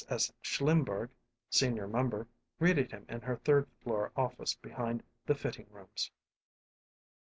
S. Schlimberg, senior member, greeted him in her third floor office behind the fitting rooms.